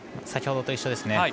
先ほどと一緒ですね。